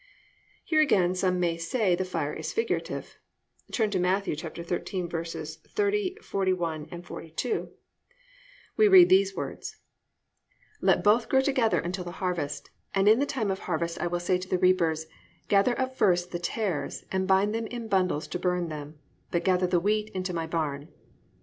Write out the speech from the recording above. "+ Here again some may say the fire is figurative. Turn to Matt. 13:30, 41, 42, we read these words: +"Let both grow together until the harvest; and in the time of harvest I will say to the reapers, gather up first the tares, and bind them in bundles to barn them; but gather the wheat into my barn."